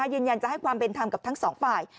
ยืนยันจะให้ความเป็นธรรมกับทั้งสองฝ่าย